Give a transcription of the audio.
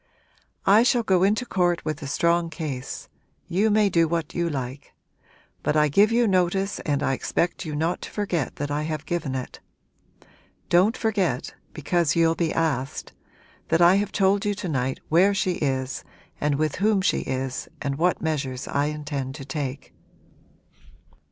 'I shall go into court with a strong case. You may do what you like. But I give you notice and I expect you not to forget that I have given it. Don't forget because you'll be asked that I have told you to night where she is and with whom she is and what measures I intend to take.'